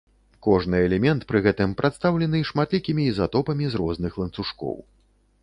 Кожны элемент пры гэтым прадстаўлены шматлікімі ізатопамі з розных ланцужкоў.